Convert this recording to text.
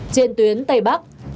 trên tuyến tây bắc